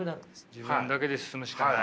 自分だけで進むしかない。